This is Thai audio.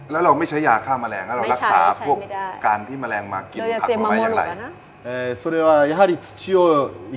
แล้วเราไม่ใช้ยาฆ่าแมลงเรารักษาแก้ไขกินของมะแรงอย่างไร